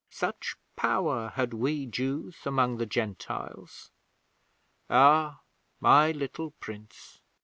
Such power had we Jews among the Gentiles. Ah, my little Prince!